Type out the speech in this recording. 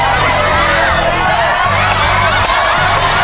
ตัวล้วนมือ